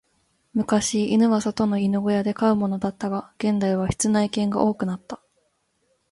昔、犬は外の犬小屋で飼うものだったが、現代は室内犬が多くなった。